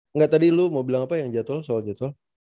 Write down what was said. enggak tadi lu mau bilang apa yang jadwal soal jadwal